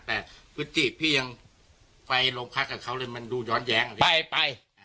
แต่พี่ยังไปโรงพักษณ์กับเขาเลยมันดูย้อนแย้งไปไป